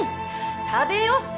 食べよう